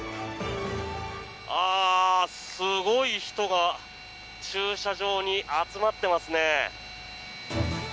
あー、すごい人が駐車場に集まってますね。